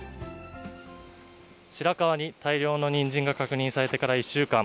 白川に大量のニンジンが確認されてから１週間。